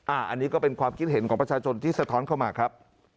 อันนี้ก็เป็นความคิดเห็นของประชาชนที่สะท้อนเข้ามาครับ